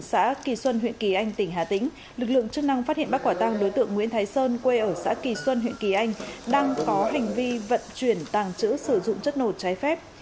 xã kỳ xuân huyện kỳ anh tỉnh hà tĩnh lực lượng chức năng phát hiện bắt quả tăng đối tượng nguyễn thái sơn quê ở xã kỳ xuân huyện kỳ anh đang có hành vi vận chuyển tàng trữ sử dụng chất nổ trái phép